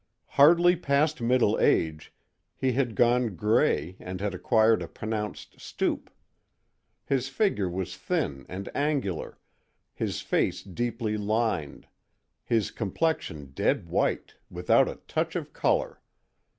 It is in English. Hardly past middle age, he had gone gray and had acquired a pronounced stoop. His figure was thin and angular, his face deeply lined, his complexion dead white, without a touch of color.